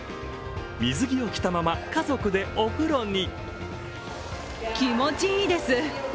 水着を着たまま家族でお風呂に。